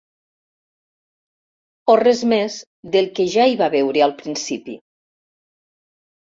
O res més del que ja hi va veure al principi.